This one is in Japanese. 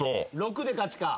６で勝ちか。